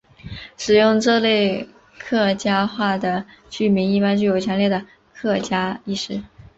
使用这类客家话的居民一般具有强烈的客家意识。